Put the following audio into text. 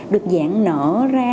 được dạng nở ra